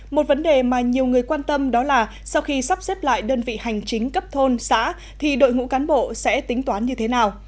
một vấn đề mà nhiều người quan tâm đó là sau khi sắp xếp lại đơn vị hành chính cấp thôn xã thì đội ngũ cán bộ sẽ tính toán như thế nào